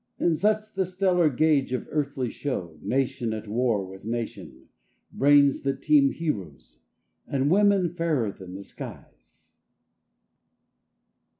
Is such the stellar gauge of earthly show, Nation at war with nation, brains that teem, Heroes, and women fairer than the skies?